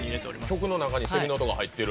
曲の中にセミの音が入ってる。